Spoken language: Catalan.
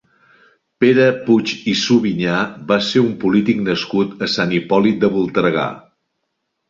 Pere Puig i Subinyà va ser un polític nascut a Sant Hipòlit de Voltregà.